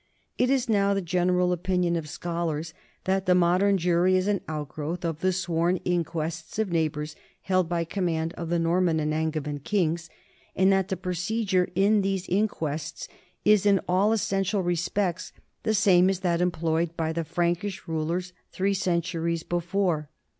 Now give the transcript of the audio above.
It is now the general opinion of scholars that the modern jury is an outgrowth of the sworn inquests of neighbors held by command of the Norman and Angevin kings, and that the procedure in these inquests is in all essen tial respects the same as that employed by the Prankish rulers three centuries before.